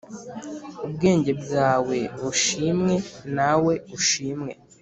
Ubwenge bwawe bushimwe nawe ushimwe